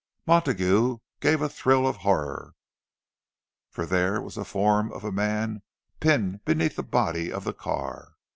Montague gave a thrill of horror, for there was the form of a man pinned beneath the body of the car.